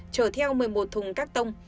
chở theo một mươi một thùng các tông